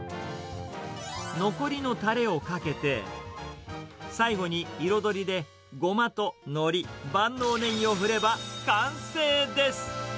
残りのたれをかけて、最後に彩りで、ゴマとのり、万能ねぎを振れば、完成です。